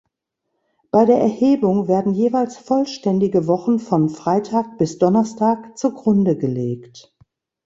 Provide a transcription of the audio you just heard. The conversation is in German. Bei der Erhebung werden jeweils vollständige Wochen von Freitag bis Donnerstag zugrunde gelegt.